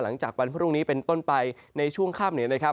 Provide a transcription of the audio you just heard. หลังจากวันพรุ่งนี้เป็นต้นไปในช่วงค่ำ